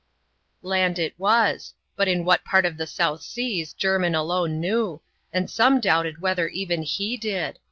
Land it was ; but in what part of the South Seas, Jermin alone knew, and some doubted whether even he did.